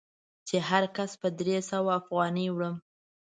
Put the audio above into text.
چې هر کس په درې سوه افغانۍ وړم.